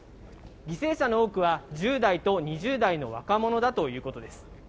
犠牲者の多くは１０代と２０代の若者だということです。